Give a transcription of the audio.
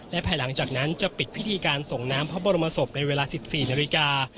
และภายหลังจากนั้นจะปิดพิธีการส่งน้ำพระบรมศพในเวลา๑๔นาฬิกา